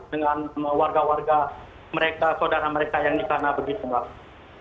dengan warga warga mereka saudara mereka yang di sana begitu mbak